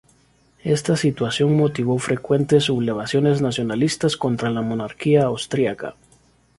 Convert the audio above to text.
Esta situación motivó frecuentes sublevaciones nacionalistas contra la monarquía austriaca.